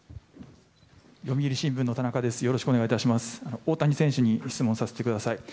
大谷選手に質問させてください。